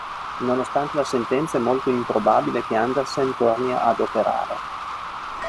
Nonostante la sentenza, è molto improbabile che Andersen torni ad operare.